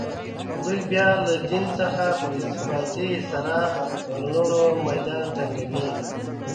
دوی بیا له دین څخه په استفاده سره پر نورو میدان تنګوي